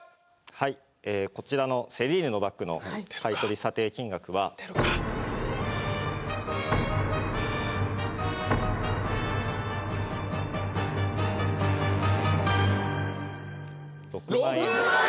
はいこちらのセリーヌのバッグの買取査定金額は６万円です